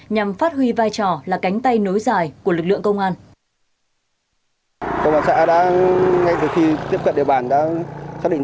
nhằm phát huy vai trò là cánh tay nối dài